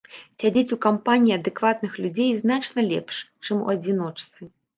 Сядзець у кампаніі адэкватных людзей значна лепш, чым у адзіночцы.